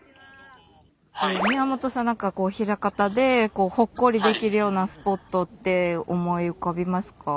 宮本さん何かこう枚方でほっこりできるようなスポットって思い浮かびますか？